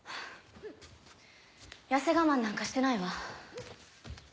やせ我慢なんかしてないわ。